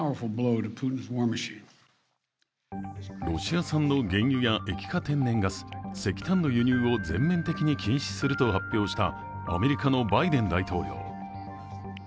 ロシア産の原油や液化天然ガス石炭の輸入を全面的に禁止すると発表したアメリカのバイデン大統領。